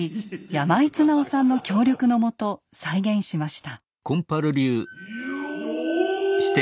山井綱雄さんの協力のもと再現しました。